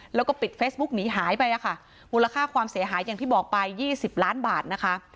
แล้วก็ปิดเฟซบุ๊กหนีหายไปค่ะมูลค่าความเสียหายอย่างที่บอกไป๒๐ล้านบาทนะคะ